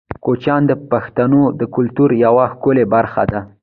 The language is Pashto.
کوچیان د پښتنو د کلتور یوه ښکلې برخه ده.